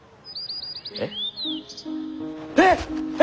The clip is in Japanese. えっ！？えっえ！